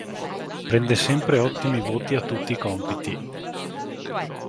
Prende sempre ottimi voti a tutti i compiti.